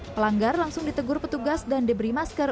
pelanggar langsung ditegur petugas dan diberi masker